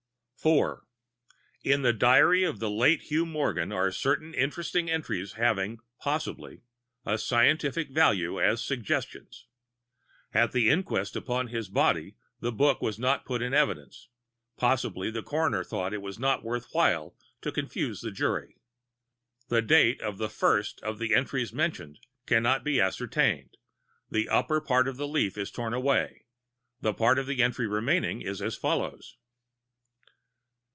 IV In the diary of the late Hugh Morgan are certain interesting entries having, possibly, a scientific value as suggestions. At the inquest upon his body the book was not put in evidence; possibly the coroner thought it not worth while to confuse the jury. The date of the first of the entries mentioned can not be ascertained; the upper part of the leaf is torn away; the part of the entry remaining is as follows